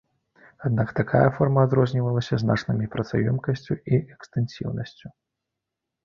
Аднак такая форма адрознівалася значнымі працаёмкасцю і экстэнсіўнасцю.